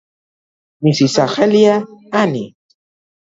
მისი სახელია „ანი“.